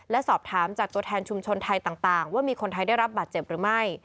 และสอบถามจากตัวแทนชุมชนไทยต่างว่ามีคนไทยได้รับบาดเจ็บหรือไม่